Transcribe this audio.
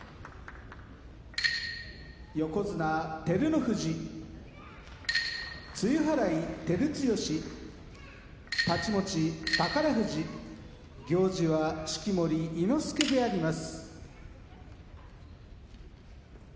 横綱照ノ富士露払い照強、太刀持ち宝富士行司は式守伊之助であります。